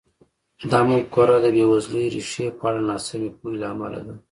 دا مفکوره د بېوزلۍ ریښې په اړه ناسمې پوهې له امله ده.